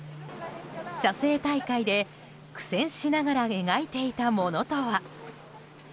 写生大会で苦戦しながら描いていたものとは？